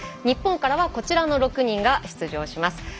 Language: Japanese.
日本からは、こちらの６人が出場します。